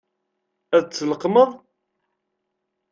Ad tt-tleqqmeḍ?